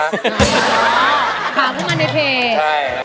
หาพวกมันในเพจ